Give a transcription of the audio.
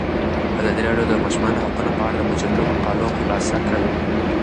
ازادي راډیو د د ماشومانو حقونه په اړه د مجلو مقالو خلاصه کړې.